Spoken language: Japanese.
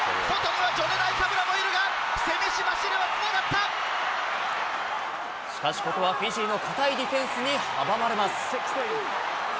ジョネ・ナイカブラもいるが、しかし、ここはフィジーの堅いディフェンスに阻まれます。